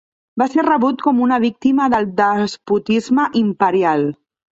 Va ser rebut com una víctima del despotisme imperial.